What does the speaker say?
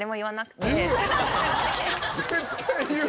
絶対言うよ。